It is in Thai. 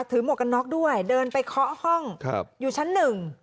หมวกกันน็อกด้วยเดินไปเคาะห้องครับอยู่ชั้นหนึ่ง